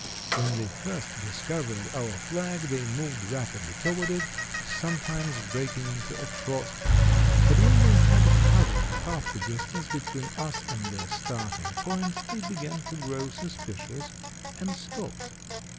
When they first discovered our flag they moved rapidly toward it, sometimes breaking into a trot, but when they had covered half the distance between us and their starting point, they began to grow suspicious and stopped.